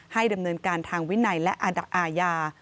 ให้ดำเนินการทางวินัยและอาดับอาญา